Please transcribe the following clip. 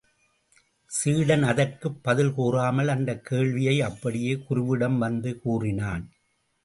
சீடன் அதற்குப் பதில் கூறாமல் அந்தக் கேள்வியை அப்படியே குருவிடம் வந்து கூறினான்.